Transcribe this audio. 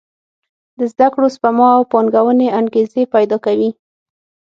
د زده کړو، سپما او پانګونې انګېزې پېدا کوي.